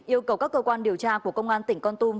yêu cầu các cơ quan điều tra của công an tỉnh con tum